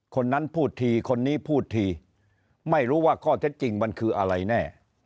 คนนั้นพูดทีคนนี้พูดทีไม่รู้ว่าข้อเท็จจริงมันคืออะไรแน่